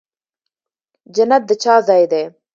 جنت د چا ځای دی؟